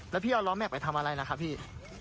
แล้วพี่เอาล้อแม่ไปทำอะไรล่ะครับพี่